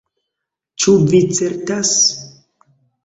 "Ĉu vi certas?"